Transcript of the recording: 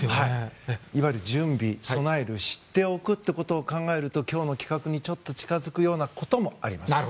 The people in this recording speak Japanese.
いわゆる準備、備える知っておくことを考えると今日の企画にちょっと近づくようなこともあります。